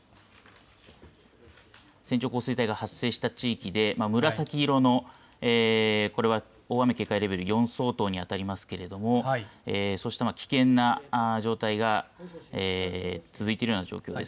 線状降水帯が発生した地域で紫色の、これは大雨警戒レベル４相当に当たりますけれども、そうした危険な状態が続いているような状況です。